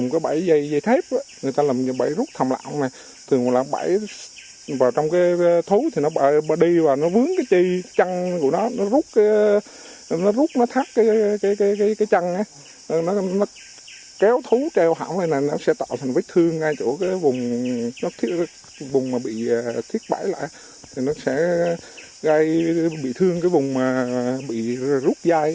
nó sẽ gây bị thương cái vùng mà bị rút dây